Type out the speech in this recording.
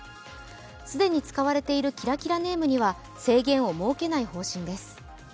既に使われているキラキラネームには制限を設けない方針です。